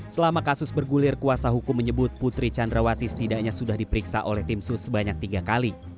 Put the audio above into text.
selama kasus bergulir kuasa hukum menyebut putri candrawati setidaknya sudah diperiksa oleh tim sus sebanyak tiga kali